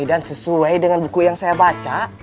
sesuai dengan buku yang saya baca